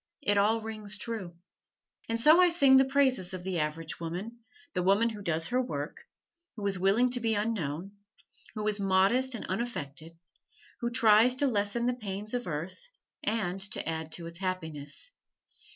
It all rings true. And so I sing the praises of the average woman the woman who does her work, who is willing to be unknown, who is modest and unaffected, who tries to lessen the pains of earth, and to add to its happiness.